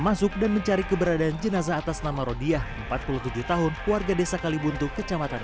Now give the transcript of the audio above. masuk dan mencari keberadaan jenazah atas nama rodiah empat puluh tujuh tahun warga desa kalibuntu kecamatan